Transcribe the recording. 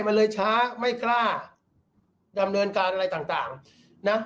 มันเลยช้าไม่กล้าดำเนินการอะไรต่างนะ